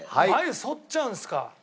眉そっちゃうんすか。